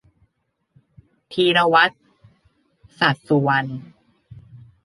ธีรวัฒน์ สัจสุวรรณ